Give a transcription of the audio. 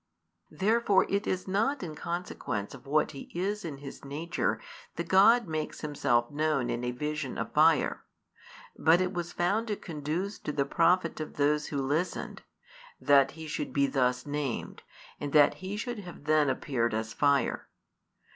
Therefore it is not in consequence of what He is in His nature that God makes Himself known in a vision of fire: but it was found to conduce to the profit of those who listened, that He should be thus named, and that He should have then appeared as fire.